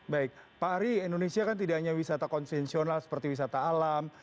baik pak ari indonesia kan tidak hanya wisata konvensional seperti wisata alam